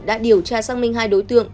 đã điều tra xác minh hai đối tượng